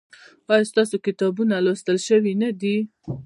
ایا ستاسو کتابونه لوستل شوي نه دي؟